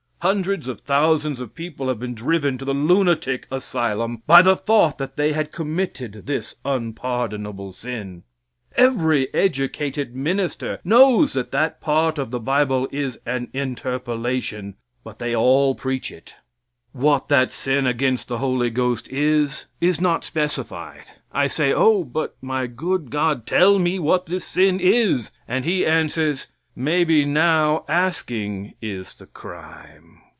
Hundreds of thousands of people have been driven to the lunatic asylum by the thought that they had committed this unpardonable sin. Every educated minister knows that that part of the bible is an interpolation, but they all preach it. What that sin against the Holy Ghost is, is not specified. I say, "Oh, but my good God, tell me what this sin is." And He answers, "Maybe now asking is the crime.